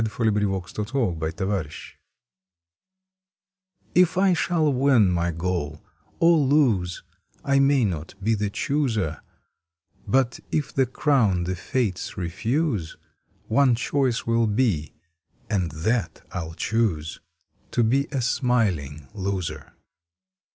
June Nineteenth A GOODLY CHOICE TF I shall win my goal or lose I may not be the chooser; But if the crown the fates refuse One choice will be, and that I ll choose: To be a SMILING LOSER!